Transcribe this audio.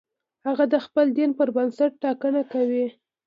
هغه د خپل دین پر بنسټ ټاکنه کوي.